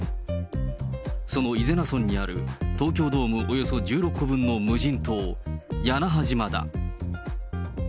その伊是名村にある東京ドームおよそ１６個分の無人島、屋那覇島だ。